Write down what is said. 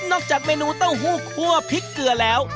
จากเมนูเต้าหู้คั่วพริกเกลือแล้ว